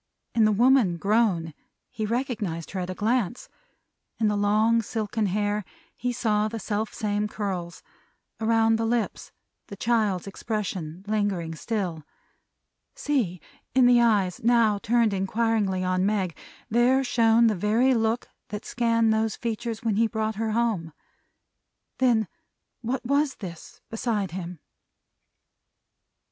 In the woman grown, he recognized her at a glance. In the long silken hair, he saw the self same curls; around the lips, the child's expression lingering still. See! In the eyes, now turned inquiringly on Meg, there shone the very look that scanned those features when he brought her home! Then what was this, beside him?